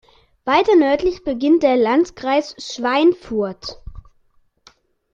Weiter nördlich beginnt der Landkreis Schweinfurt.